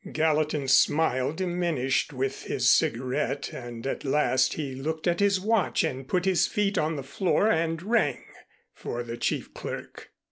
Gallatin's smile diminished with his cigarette, and at last he looked at his watch and put his feet on the floor and rang for the chief clerk.